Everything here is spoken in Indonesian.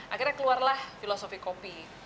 akhirnya keluarlah filosofi kopi